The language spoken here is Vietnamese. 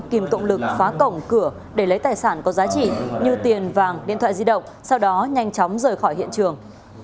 kìm cộng lực phá cổng cửa để lấy tài sản có giá trị như tiền vàng điện thoại di động sau đó nhanh chóng rời khỏi hiện trường